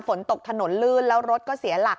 ฝนตกถนนลื่นแล้วรถก็เสียหลัก